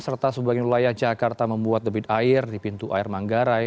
serta sebagian wilayah jakarta membuat debit air di pintu air manggarai